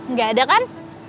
gak ada kan